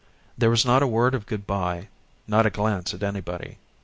There was not a word of good by, not a glance at anybody.